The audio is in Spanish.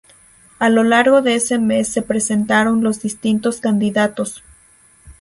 A lo largo de ese mes se presentaron los distintos candidatos.